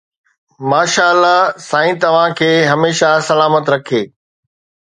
ماشاءالله سائين توهان کي هميشه سلامت رکي